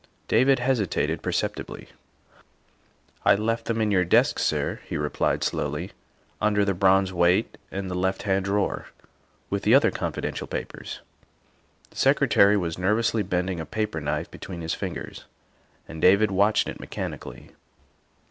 David hesitated perceptibly. " I left them in your desk, sir," he replied slowly, " under the bronze weight in the left hand drawer, with other confidential papers." The Secretary was nervously bending a paper knife between his fingers, and David watched it mechanically.